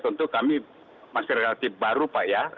tentu kami masih relatif baru pak ya